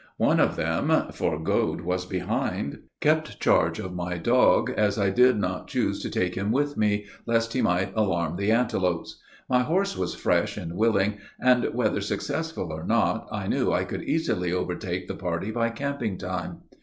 One of them for Gode was behind kept charge of my dog, as I did not choose to take him with me, lest he might alarm the antelopes. My horse was fresh and willing; and, whether successful or not, I knew I could easily overtake the party by camping time.